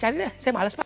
cari deh saya males pak